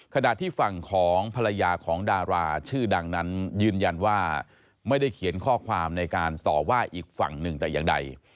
ขณะที่ฝั่งของภรรยาของดาราชื่อดังนั้นยืนยันว่าไม่ได้เขียนข้อความในการต่อว่าอีกฝั่งหนึ่งแต่อย่างใด